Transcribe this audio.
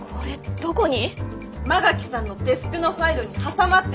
どこに？